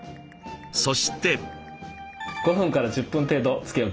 そして。